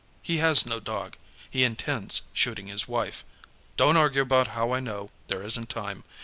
He has no dog. He intends shooting his wife. Don't argue about how I know; there isn't time.